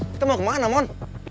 kita mau kemana mon